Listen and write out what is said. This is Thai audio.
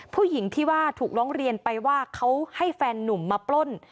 ผู้หญิงที่ว่าถูกร้องเรียนไปว่าเขาให้แฟนนุ่มมาปล้น